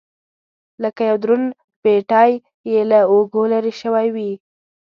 لکه یو دروند پېټی یې له اوږو لرې شوی و.